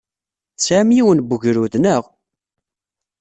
Tesɛam yiwen n wegrud, naɣ?